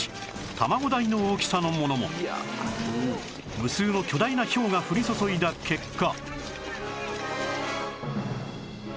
無数の巨大なひょうが降り注いだ結果